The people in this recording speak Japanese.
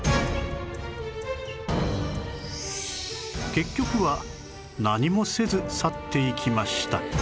結局は何もせず去っていきました